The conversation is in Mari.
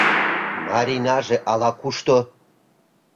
Марийнаже ала-кушто.